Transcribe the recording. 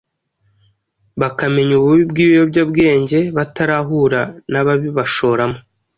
bakamenya ububi bw’ibiyobyabwenge batarahura n’ababibashoramo.